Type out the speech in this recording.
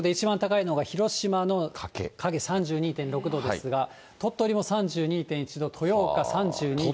全国で一番高いのが広島の加計３６．２度ですが、鳥取も３２．１度、豊岡３２．５度。